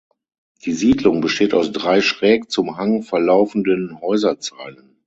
Die Siedlung besteht aus drei schräg zum Hang verlaufenden Häuserzeilen.